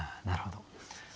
なるほど。